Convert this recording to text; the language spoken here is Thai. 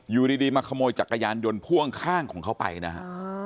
อยู่ดีมาขโมยจักรยานยนต์พ่วงข้างของเขาไปนะฮะ